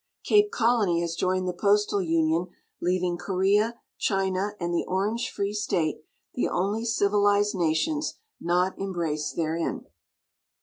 Cape Colony has joined the postal union, leaving Korea, China, and the Orange Free State the only civilized nations not embraced therein.